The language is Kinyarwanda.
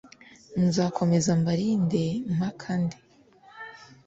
nzakomeza mbarinde mpakande